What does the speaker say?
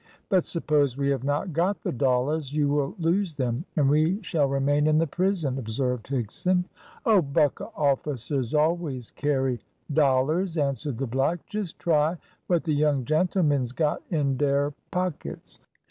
"But suppose we have not got the dollars, you will lose them, and we shall remain in the prison?" observed Higson. "Oh, Buccra officers always carry dollars," answered the black. "Just try what the young gentlemens got in dare pockets."